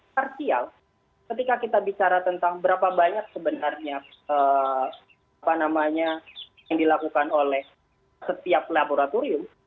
partial ketika kita bicara tentang berapa banyak sebenarnya apa namanya yang dilakukan oleh setiap laboratorium